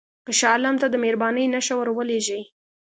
که شاه عالم ته د مهربانۍ نښه ورولېږې.